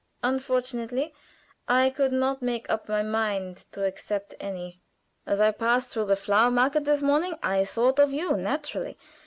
Unfortunately I could not make up my mind to accept any. As I passed through the flower market this morning I thought of you naturally.